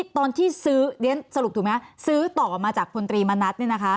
ตอนที่ซื้อเรียนสรุปถูกไหมซื้อต่อมาจากพลตรีมณัฐ